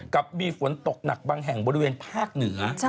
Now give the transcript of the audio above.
กับมีฝนตกหนักบางแห่งบริเวณภาคเหนือ